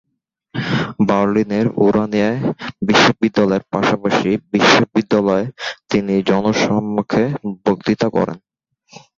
বার্লিনের উরানিয়ায় বিশ্ববিদ্যালয়ের পাশাপাশি বিশ্ববিদ্যালয়ে তিনি জনসমক্ষে বক্তৃতা করেন।